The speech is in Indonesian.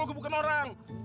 lo gebukin orang